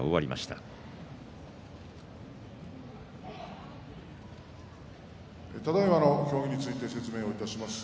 ただいまの協議について説明します。